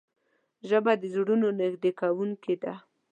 ژبه د زړونو نږدې کوونکې ده